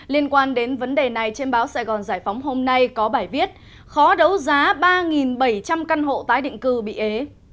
liên quan đến vấn đề này trên báo sài gòn giải phóng hôm nay có bài viết khó đấu giá ba bảy trăm linh căn hộ tái định cư bị ế